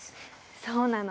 そうなの。